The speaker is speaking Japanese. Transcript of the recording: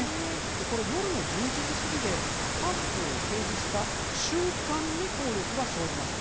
これ夜１１時過ぎで官報を掲示した瞬間に効力が生じました。